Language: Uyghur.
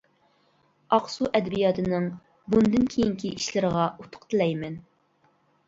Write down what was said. ئاقسۇ ئەدەبىياتىنىڭ بۇندىن كېيىنكى ئىشلىرىغا ئۇتۇق تىلەيمەن.